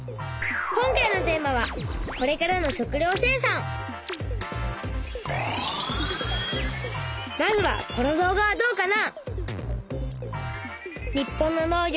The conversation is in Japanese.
今回のテーマはまずはこの動画はどうかな。